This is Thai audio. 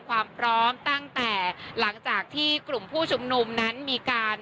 ความพร้อมตั้งแต่หลังจากที่กลุ่มผู้ชุมนุมนั้นมีการ